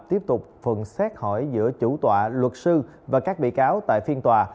tiếp tục phần xét hỏi giữa chủ tọa luật sư và các bị cáo tại phiên tòa